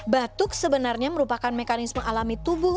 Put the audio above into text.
batuk sebenarnya merupakan mekanisme alami tubuh